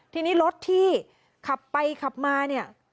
ทีนี้รถที่ขับไปขับมาเนี่ย